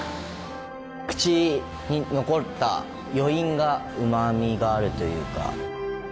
口に残った余韻がうまみがあるというか。